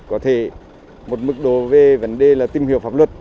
có thể một mức độ về vấn đề là tìm hiểu pháp luật